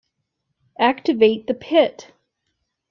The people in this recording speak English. Activate the pit!